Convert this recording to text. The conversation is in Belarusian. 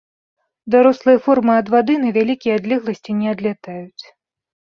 Дарослыя формы ад вады на вялікія адлегласці не адлятаюць.